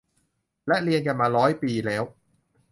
และเรียนกันมาร้อยปีแล้ว